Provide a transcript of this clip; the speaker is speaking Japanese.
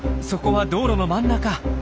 そこは道路の真ん中。